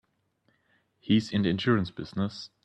He's in the insurance business.